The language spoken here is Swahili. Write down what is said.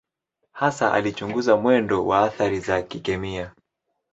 Hasa alichunguza mwendo wa athari za kikemia.